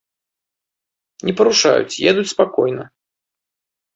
Не парушаюць, едуць спакойна.